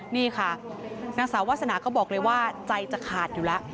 นี่ค่ะนางสาววาสนาก็บอกเลยว่าใจจะขาดอยู่แล้ว